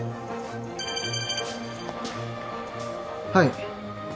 はい。